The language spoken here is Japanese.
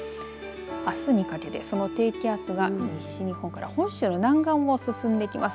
あすにかけてその低気圧が西日本から本州の南岸を進んでいきます。